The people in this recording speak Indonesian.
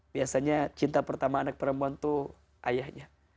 biasanya cinta pertama anak perempuan itu ayahnya